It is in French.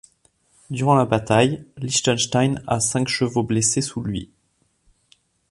Durant la bataille, Liechtenstein a cinq chevaux blessés sous lui.